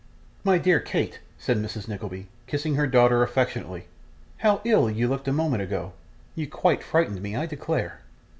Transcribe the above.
'My dear Kate,' said Mrs. Nickleby, kissing her daughter affectionately. 'How ill you looked a moment ago! You quite frightened me, I declare!